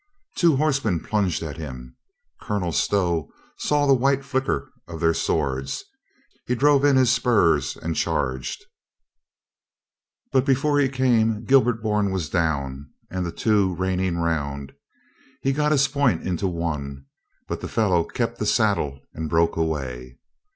Two horsemen plunged at him. Colonel Stow saw the white flicker of their swords. He drove in his spurs and charged. But before he came, Gilbert Bourne was down and the two reining round. He got his point home in on«, but the fellow kept the saddle and broke away.